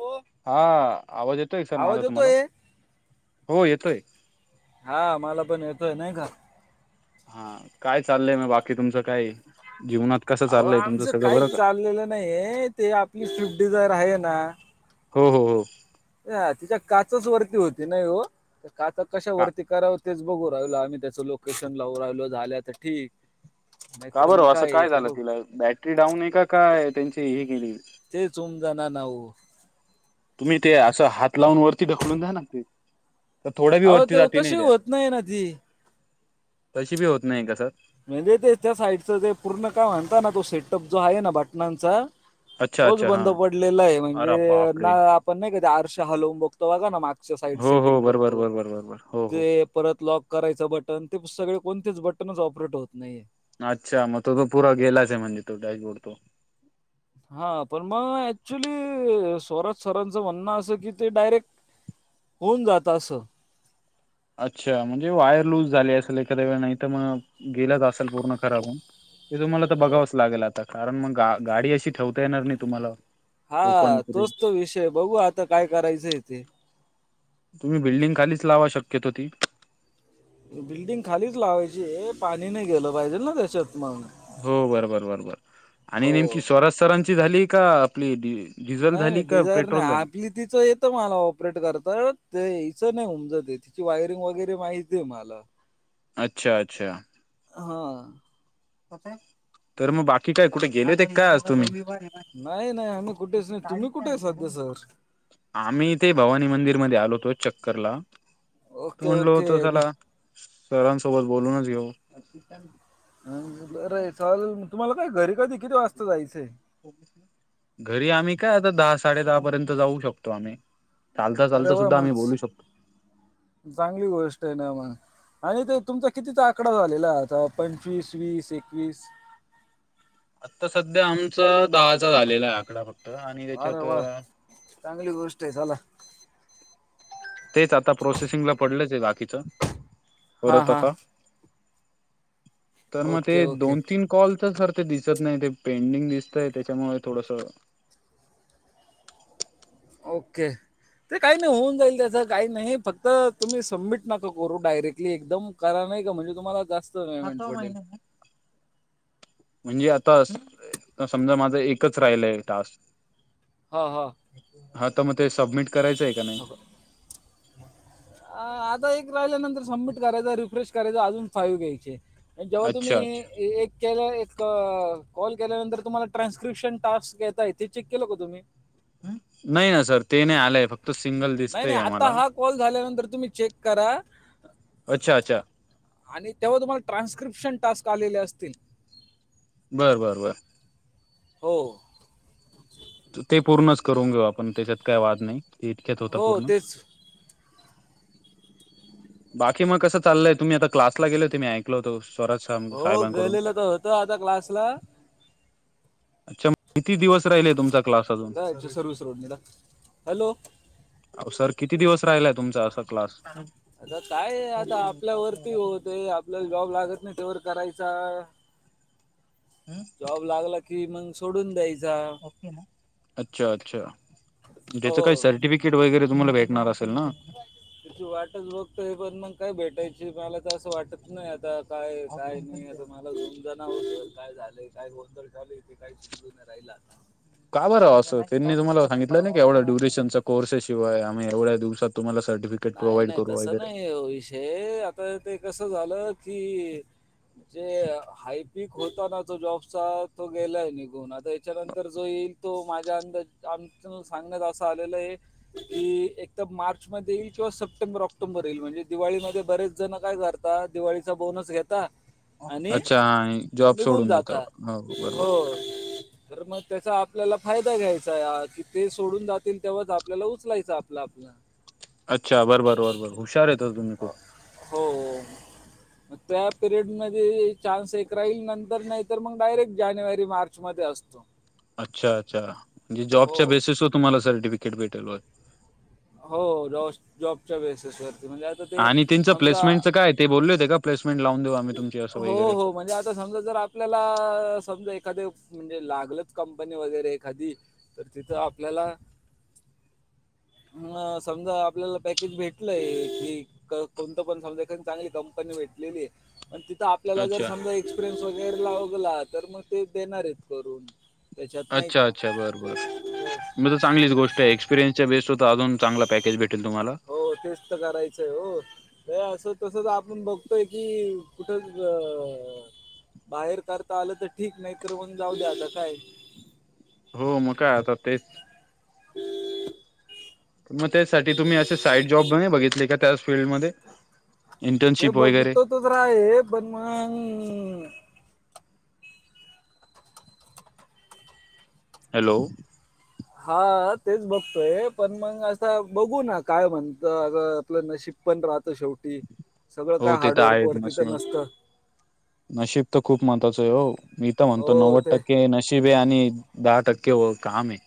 हो हा आवाज येतोय सर माझा आवाज तुम्हाला येतोय हो येतोय. हा मला पण येतोय नाही का हा काय चाललंय मग बाकी तुमचं काय जीवनात कसं चाललंय तुमचं सगळं बरं का नाही ते आपली स्विफ्ट डिझायर आहे ना हो हो हो तिच्या काचच वरती होती नाही हो त्या काचा कशा का वरती कराव तेच बघू राहिलं आम्ही त्याचं लोकेशन लावू राहिलो झाल्या ठीक का नाहीतर बरं मग असं काय ते झालं बघू तिला बॅटरी डाऊन आहे का काय त्यांची हे केली. ते चुम जाना नाऊ तुम्ही ते असं हात लावून वरती ढकलून द्या ना ते तर थोड्या बी अहो वरती ते जाते तशी नाही त्या होत नाही ना ती तशी बी होत नाही कासर म्हणजे ते त्या साईडच ते पूर्ण काय म्हणता ना तो सेटअप जो आहे ना बटनांचा अच्छा तोच अच्छा हा बंद पडलेला आहे म्हणजे अरे ना बापरे आपण नाही कधी आरश हलवून बघतो हो नम आजच्या सईड सटिंग करत बरो बर बर बरोर हो हो. परत लॉक करायचं बटन ते सगळे कोणतेच बटनच ऑपरेट होत नाहीे. अच्छा मग तो तो पुरा गेलाच आहे म्हणजे तोडॅशबोर्ड तो हा पण मग ऍक्च्युली स्राज सरांचं म्हणणं असं की ते डायरेक्ट होऊन जाता असं अच्छा म्हणजे वायर लूज झाली असेल एखाद्या वेळ नाही तर मग गेलाच असेल पूर्ण खराब होवून. ते तुम्हाला तर बघावंच लागेल आता कारण मग गा गाडी अशी ठेवता येणार नाही तुम्हाला. ओपन हा पुढे तोच तो विषय बघू आता काय करायचं आहे ते. तुम्ही बिल्डिंग खालीच लावा शक्यतो ती. बिल्डिंग खालीच लावायची हे पाणी नाही गेलं पाहिजेल ना त्याच्यात मग हो बरोबर बरोबर आणि नेमकी हो स्राज सरांची झाली का आपली डिझल नाही झाली नाही का डिझायर नाही पेट्रोल झाली. आपली तिचं येतं मला ऑपरेट करत ते हचं नाही उमजते तिची वायरिंग वगैरे माहती आहे मला [unintelligible] अच्छा अच्छा. हा तर मग बाकी काय कुठे गेले होते काय आज तुम्ही नाही नाही आम्ही कुठेच नाही. तुम्ही कुठे आहे सध्या सर. आम्ही इथे भवानी मंदिरमध्ये आलो होतो चक्करला. ओके म्हटलो ओके होतो चला मी सरांसोबत बोलूनच घेऊ. बरं आहे चालल तुम्हाला काय घरी कधी किती वाजता जायचंय. घरी आम्ही काय आता दहा साडे दहा पर्यंत जाऊ शकतो आम्ही. चालता अरे चालता वा सुद्धा आम्ही मस्त. बोलू शकतो. चांगली गोष्ट आहे ना मग. आणि ते तुमचा कितीचा आकडा झालेला आता पंचवीस, वीस, एकवीस. आता सध्या आमचा दहाचा झालेला आहे आकडा फक्त आणि अरे त्याच्यात वा चांगली गोष्ट आहे चला. तेच आता प्रोसेसिंगला पडलंच आहे बाकीच हां परत हां आता तर मग ते ओके दोन ओके तीन कॉलच ते दिसत नाही ते पेंडिंग दिसतय त्याच्यामुळे थोडस ओके. ते काही नाही होऊन जाईल त्याचं काही नाही फक्त तुम्ही सबमिट नका करू डायरेक्टली एकदम. करा नाही का म्हणजे तुम्हाला जास्त ह पेमेंट तो पडेल महिना म्हणजे आता समजा माझ एकच राहिलय टास्क. हा हा हा तर मग ते सबमिट करायचं आहे का नाही? आता एक राहिल्या नंतर सबमिट करायच, रिफ्रेश करायच अजून फाईव घ्यायचे. आणि जेव्हा तुम्ही अच्छा अच्छा एक केलं एक कॉल केल्यानंतर तुम्हाला ट्रान्स्क्रिप्शन टास्क घेताय ते चेक केलं का तुम्ही. नाही ना सर ते नाही आलंय फक्त त सिंगल दि नाही नाही आता हा कॉल झाल्यानंतर तुम्ही चेक करा. अच्छा अच्छा. आणि तेव्हा तुम्हाला ट्रान्स्क्रिप्शन टास्क आलेले असतील. बरं बर बर. हो ते पूर्णच करून घेऊ आपण त्याच्यात काय वाद नाही ते इतक्यात होता हो पूर्ण. तेच बाकी मग कस चाललंय तुम्ही आता क्लासला गेलो ते मी ऐकल होतो. हो गेलेलं तर होत आता क्लासला. अच्छा मग किती दिवस राहिल आहे तुमचा क्लास अजून. सर्व्हिस रोड नि जा. हॅलो अहो सर किती दिवस राहिलाय तुमचा असा क्लास? आता काय आता आपल्यावरती होत आहे. आपल्याला जॉब लागत नाही तेवर करायचा. जॉब लागला कि मग सोडून द्यायच. [unintelligible] अच्छा अच्छा हो ज्याच काय सर ते कीट वगैरे तुम्हाला भेटणार असेल ना. त्याची वाटच बघत हे पण मग काय भेटायची मला तर असं वाटत नाही आता. काय काय नाही तुम्हाला [unintelligible] [unintelligible] का बरं असं त्यांनी तुम्हाला सांगितलं ना की एवढ्या ड्युरेशन च्या कोर्स शिवाय आम्ही एवढ्यादिवसात तुम्हाला सर्टीफिकीट नाही नाही तसं नाही विषय आता ते कसं झालं कि जे हायपिक होता ना तो जॉबचा तो गेलाय निघून आता याच्यानंतर जो येईल तो माझ्या अंदा आमच सांगत असं आलेलं आहे की एक तर मार्च मध्ये येईल. किंवा सप्टेंबर ऑक्टोबर येईल म्हणजे दिवाळीमध्ये बरेच जण काय करतात दिवाळीचा बोनस घेता आणि अच्छा जॉब निघून सोडून देता जातात बरोबर हो. तर मग त्याचा आपल्याला फायदा घ्यायचा आज ते सोडून जातील तेव्हाच आपल्याला उचलायचं आपलं आपलं.. अच्छा बरबर बरबर हुशार आहेत तुम्ही खूप. [unintelligible] हो [unintelligible] त्या पिरियडमध्ये चान्स एक राहील नंतर नाही तर मग डायरेक्ट जानेवारी मार्चमध्ये असतो त [unintelligible] [unintelligible] अच्छा अच्छा म्हणजे जॉबच्या बेसिस वर तुम्हाला सर्टिफिकेट भेटेल हो हो ज जॉबच्या बेसस वरती म्हणजे आ [unintelligible] आणि त्यांचं प्लेसमेंटं काय ते बोलल होते का प्समेंट लावून देऊ आम्ही तुमची असं हो वगैरे हो म्हणजे [unintelligible] आ समजा जर आपल्याला समजा एखाद म्हणजे लागलच कंपनी वगैरे एखादी तर तिथं आपल्याला [unintelligible] ना समजा आपल्याला पॅकेज भेटलंय क कोणतं पण समजा चांगली कंपनी भेटलेली पण तिथं [unintelligible] आपल्याला जर अच्छा समजा एक्सपिरियन्स वगैरे लावगला तर मग ते देणार आहेत करून त्याच्यात नाहीत का [unintelligible] म्हणजे चांगलीच गोष्ट आहे एक्सिपिरीयन्सच्या बेसवर तर अजून चांगल पॅकेज भेटेल तुहाला हो तेच तर करायचंय हो [unintelligible] अ असं तसच आपण बघतोय की कुठच अ बाहेर कारता आलं तर ठीक नाही तर मग जाऊ दे आता काय हो मग काय आता तेच [unintelligible] मग त्यासाठी तुम्ही असे साईड जॉब नाही बघितले का त्या फीलल्डमध्ये ते बघतो त तर आहे पण मग हॅलो [unintelligible] हा तेच बघतोय पण मग असं बघू ना काय म्हणत आपलं नशिब [unintelligible] शेवट [unintelligible] हो ते तर आहेच तर नशिब नसतं नशीब तर खूप महत्वाचं आहे हो मी तर म्हणतो हो नव्वद ते टक्के नशीब ब आणि दहा टक्के काम आहे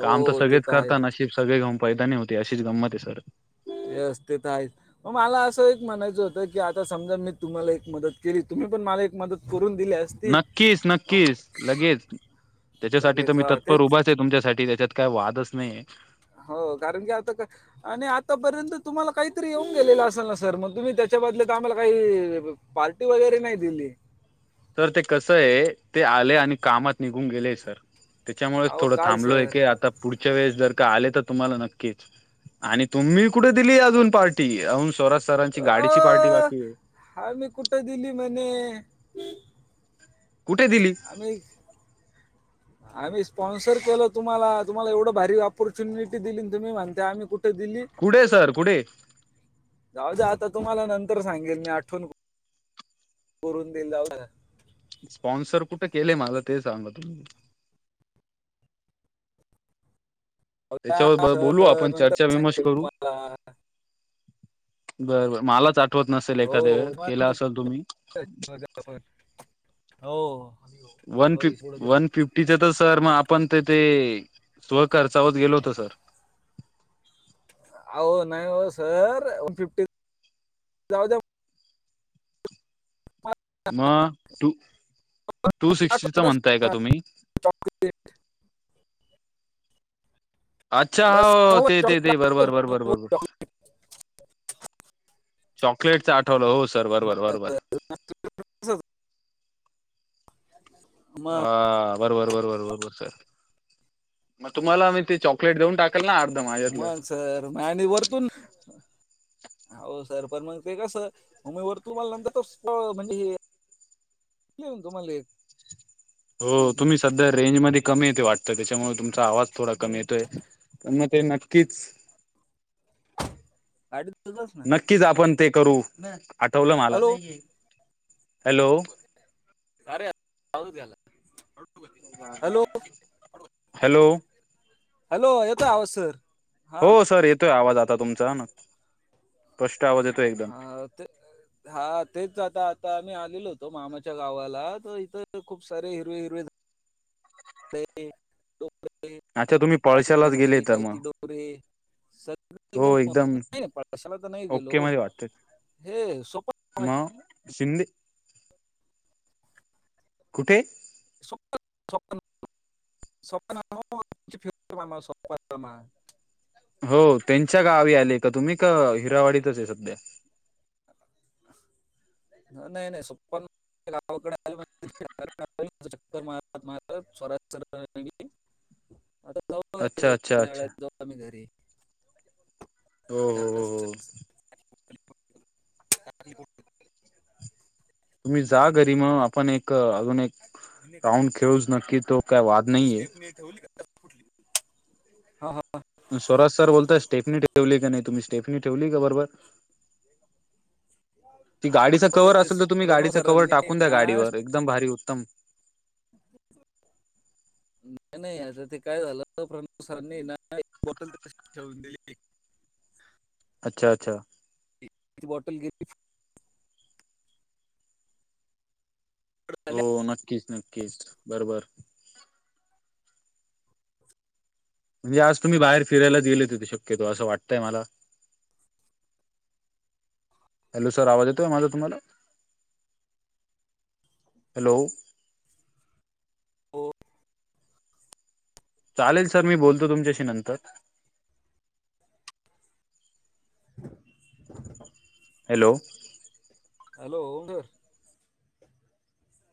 काम तर ते सगळेच आहेच करतात सगळे [unintelligible] होते अशीच गंमत आहे सर [unintelligible] व्यवस्थित आहेत [unintelligible] मला असं एक म्हणायचं होतं की आता समजा मी तुम्हाला एक मदत केली तुम्ही पण मला एक मदत करून दिल्यास नक्कीच नक्कीच लगेच त्याच्यासाठी तर लगेच मी हा तत्पर तेच उभाच आहे तुमच्यासाठी त्याच्यात काय वादच नाही [unintelligible] हो कारण की आता का [unintelligible] आणि आतापर्यंत तुम्हाला काहीतरी येऊन गेलेलं असेल ना सर मग तुम्ही त्याच्या बदल्यात तर आम्हाला काही पार्टी वगैरे नाही दिली [unintelligible] सर ते कसं आहे ते आले आणि कामात निघून गेलेय सर त्याच्यामुळेच अहो थोडं काय थांबलोय सर की आता पुढच्या वेळेस जर का आले तर तुम्हाला नक्कीच आणि तुम्ही कुठे दिली अजून पार्टी अजून स्वराज सरांची गाडीची पार्टी बाकी आहे हा मी कुठं दिली म्हणे [unintelligible] कुठे दिली आम्ही [unintelligible] [inaudible] [unintelligible] आम्ही स्पॉन्सर केलं तुम्हाला-तुम्हाला एवढं भारी ऑपॉर्च्युनिटी दिली तुम्ही म्हणते आम्ही कुठे दिली. कुढे सर कुढे [unintelligible] जाऊ दया. आता तुम्हाला नंतर सांगेल मी आठवण [unintelligible] कुरून दिला व [unintelligible] स्पॉन्सर कुठे केले मला ते सांगा तुम्ही [unintelligible] जाऊ द्या त्याच्यावर बोलू आपण नंतर चर्चा विमर्श सांगेल करू तुम्हाला [unintelligible] बर बर मलाच आठवत नसेल एखादे हो वेळेस केला निवांत असेल तुम्ही जाऊ द्या हो [unintelligible] वन हो फि पुढे जाऊ वन फिफ्ट [unintelligible] तिच तर सर मग आपण ते ते स्वखर्चावर गेलो होतो सर. अहो नाही हो सर वन फिफ्टी जाऊ दया. मग मला टू-टू सिक्स्टीचा आठवत म्हणताय का तुम्ही चॉकलेट. अच्छा हो नव्वद चॉकलेट ते-ते-ते आठवतं, बरोबर-बरोबर-बरोबर. नव्वद चॉकलेटच आठवलं हो सर मग बरोबर-बरोबर. तसंच. मग हा बरोबर-बरोबर-बरोबर सर मग तुम्हाला आमही ते चॉक लेट देऊन टाकेल ना अर्ध माज्यातलं. तर आणि वरतून. हो सर पण मग ते कस म मी वरत तो मला नंतर त म्हणजे हे. देऊ न तुम्हाला एक. हो म्हणजे तुम्ही सध्या रेंजमध्ये कमीे येते वाटतं त्याच्यामुळे तुम चा आवाज थोडा कमी येतोय प मग ते नक्कीच. अडीत तसंच ना. नक्कीच आपण ते करू आठवलं मला हॅलो हॅलो. अरे आवरू त्याला. हॅलो हॅलो-हॅलो येतोय आवाज सर. हा हो सर येतोय आवाज आता तुमचा ना स्पष्ट आवाज येतोय एकदम. हा, ते. हा तेच आता-आता आम्ही आलेलो होतो. मामाच्या गावाला तर इथ खूप सारे हिरवे हिरवे काही ती डोंगरे अच्छा तुम्ही काही ती पळशालाच झाडे गेले काय तर काही मग ते डोगंरे. सर नाही एकदम ओके कशाला तर नाही गेलो. हे सोपय. म शिंदे कुठे.. [unintelligible] हो त्यांच्या गावी आले का तुम्ही का हिरावाडीतच आहे सध्या. नाही-नाही सोप्पन गावाकडे आलो म्हणे. शंकर महाराज-महाराज स्वराज चढताना. आता जाऊ घरी अच्छा अच्छा थोड्या वेळला अच्छा जाऊ आम्ही घरी. हो-हो-हो [unintelligible] तुम्ही जा घरी मग आपण एक अजून एक राऊंड खेळूच नक्की तो काही वाद नाहीे. [unintelligible] हा-हा स्वराज सर बोलताय स्टेफनी ठेवली का नाही तुम्ही स्टेफनी ठेवली का बरोबर. ती गाडीचा अहो, कवर ते असेल तर तुम्ही प्रणव गाडीचा कवर सरांनी टाकून द्या ना गाडीवर एकदम भारी उत्तम. नाही-नाही आता ते काय झालं प्रमोद सरांनी ना बॉटल ठेवून दिली. अच्छा-अच्छा एक बॉटल घेतली. फ फुट झाली हो नक्कीच-नक्कीच बरोबर म्हणजे तुम्ही बाहेर फिरायला गेले ते शक्यतो असं वाटतंय मला. हॅलो, सर आवाज येतय माझा तुम्हाला. हॅलो, हो. चालेल सर मी बोलतो तुमच्याशी नंतर. [unintelligible] हॅलो, हॅलो, ओ सर